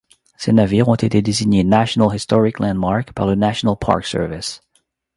Ces navires ont été désignés National Historic Landmark par le National Park Service.